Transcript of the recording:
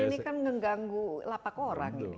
karena ini kan ngeganggu lapak orang